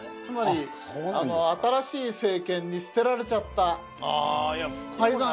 つまり新しい政権に捨てられちゃった敗残者なんです。